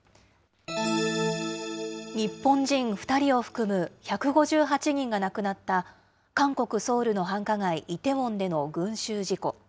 日本人２人を含む１５８人が亡くなった、韓国・ソウルの繁華街、イテウォンでの群集事故。